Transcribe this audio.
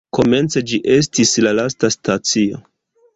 Komence ĝi estis la lasta stacio.